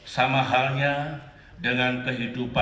sama halnya dengan kehidupan